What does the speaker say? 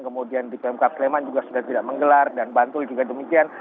kemudian di pmk sleman juga sudah tidak menggelar dan bantul juga demikian